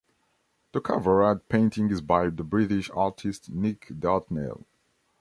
The cover art painting is by the British artist Nic Dartnell.